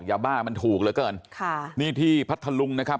ยาบ้ามันถูกเหลือเกินค่ะนี่ที่พัทธลุงนะครับ